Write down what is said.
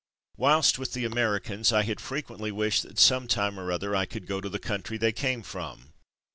Whilst with the Americans I had frequently wished that sometime or other I could go to the country they came from.